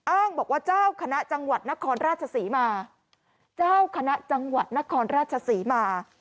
อ้างบอกว่าเจ้าคณะจังหวัดนครราชศรีมา